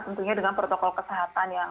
tentunya dengan protokol kesehatan yang